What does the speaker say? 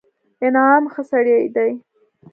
انعام ښه سړى دئ.